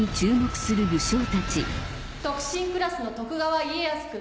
特進クラスの徳川家康君。